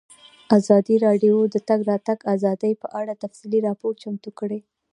ازادي راډیو د د تګ راتګ ازادي په اړه تفصیلي راپور چمتو کړی.